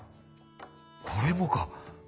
これもか。